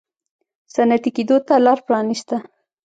صنعتي کېدو ته لار پرانېسته.